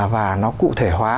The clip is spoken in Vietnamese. và nó cụ thể hóa